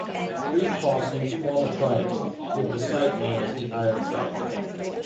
The three crossings form a triangle, with the site known as the Iron Triangle.